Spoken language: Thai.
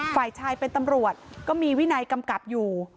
ฝ่ายชายเป็นตำรวจก็มีวินัยกำกับอยู่